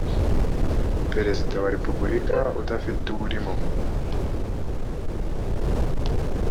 perezida wa repubulika udafite uwurimo